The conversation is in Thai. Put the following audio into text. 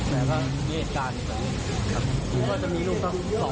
แม้ว่าเกลียดการณ์อยู่ตรงนี้